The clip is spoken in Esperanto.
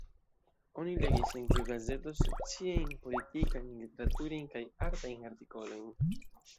Oni legis en tiu gazeto sociajn, politikajn, literaturajn kaj artajn artikolojn.